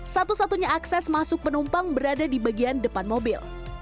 satu satunya akses masuk penumpang berada di bagian depan mobil